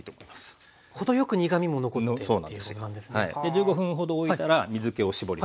１５分ほどおいたら水けを絞ります。